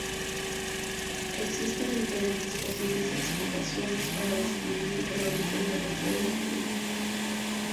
Existen diferentes posibles explicaciones para describir el origen de los huevos Benedict.